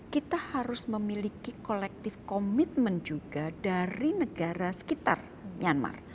kita harus memiliki collective commitment juga dari negara sekitar myanmar